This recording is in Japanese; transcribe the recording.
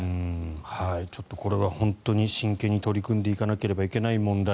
ちょっとこれは本当に真剣に取り組んでいかなければいけない問題